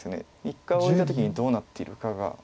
一回置いた時にどうなっているかが。